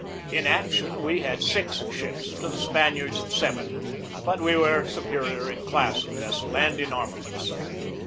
In action we had six ships to the Spaniards' seven, but we were supe rior in class of vessel and in armaments.